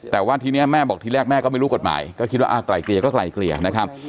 แต่ว่าทีนี้แม่บอกทีแรกแม่ก็ไม่รู้กฎหมายก็คิดว่าไกลเกลี่ยก็ไกลเกลี่ยนะครับ